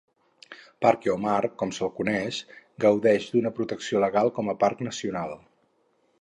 Parque Omar, com s'el coneix, gaudeix d'alguna protecció legal com a parc nacional.